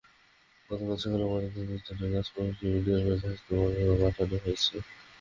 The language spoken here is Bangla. গতকাল সকালে ময়নাতদন্তের জন্য লাশ ময়মনসিংহ মেডিকেল কলেজ হাসপাতালের মর্গে পাঠানো হয়েছে।